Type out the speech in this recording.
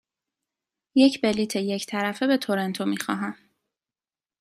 یک بلیط یک طرفه به تورنتو می خواهم.